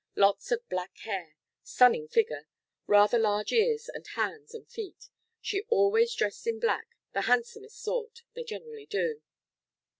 Lots of black hair. Stunning figure. Rather large ears and hands and feet. She always dressed in black, the handsomest sort. They generally do."